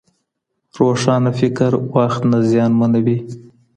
روښانه فکر وخت نه زیانمنوي.